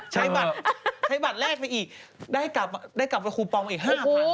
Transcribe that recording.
๐ใช้บัตรใช้บัตรแลกไปอีกได้กลับมาคูปองอีก๕๐๐๐บาท